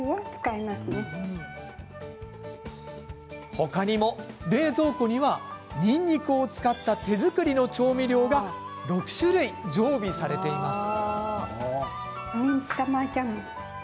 他にも冷蔵庫にはにんにくを使った手作りの調味料が６種類、常備されています。